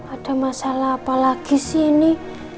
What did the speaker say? ada masalah apa lagi sih ini